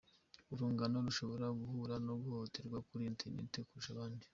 urunganwe rushobora guhura no guhohoterwa kuri internet kurusha abandi.